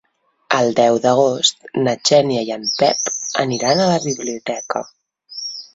El deu d'agost na Xènia i en Pep aniran a la biblioteca.